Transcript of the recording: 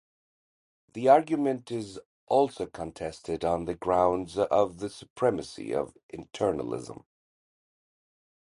The argument is also contested on the grounds of the supremacy of internalism.